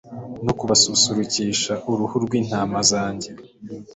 no kubasusurukisha uruhu rw'intama zanjye